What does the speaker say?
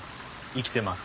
生きてます。